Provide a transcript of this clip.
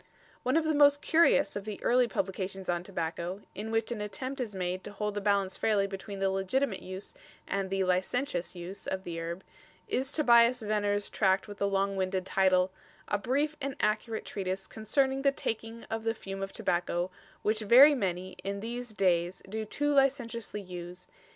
One of the most curious of the early publications on tobacco, in which an attempt is made to hold the balance fairly between the legitimate use and the "licentious" abuse of the herb, is Tobias Venner's tract with the long winded title: "A Brief and Accurate Treatise concerning The taking of the Fume of Tobacco, Which very many, in these dayes doe too licenciously use.